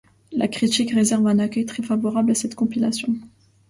La critique réserve un accueil très favorable à cette compilation.